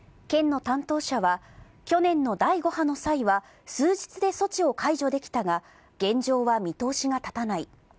県の担当者は、去年の第５波の際は、数日で措置を解除できたが、現状は見通しが立たない。